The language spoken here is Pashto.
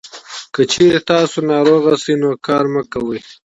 که چېرې تاسو ناروغه شئ، نو کار مه کوئ.